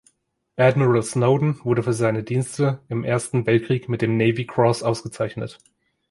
Admiral Snowden wurde für seine Dienste im ersten Weltkrieg mit dem Navy Cross ausgezeichnet.